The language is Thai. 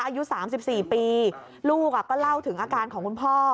อายุ๓๔ปีลูกก็เล่าถึงอาการของคุณพ่อ